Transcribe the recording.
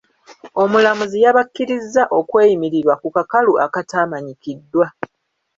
Omulamuzi yabakkirizza okweyimirirwa ku kakalu akataamanyikiddwa.